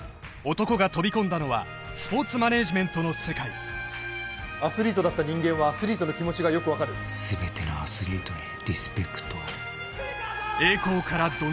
男が飛び込んだのはスポーツマネージメントの世界アスリートだった人間はアスリートの気持ちがよく分かる「すべてのアスリートにリスペクトを」